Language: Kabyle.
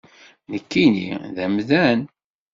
Nekkini d amdan.